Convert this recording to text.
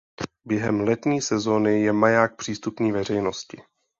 Během letní sezony je maják přístupný veřejnosti.